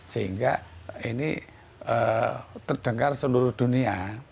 sehingga ini terdengar seluruh dunia